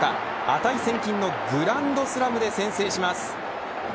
値千金のグランドスラムで先制します。